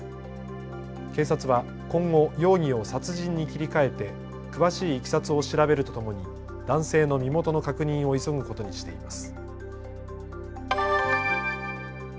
警察は今後、容疑を殺人に切り替えて詳しいいきさつを調べるとともに男性の身元の確認を急ぐことにしています。